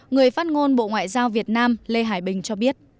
người phát ngôn bộ ngoại giao việt nam lê hải bình cho biết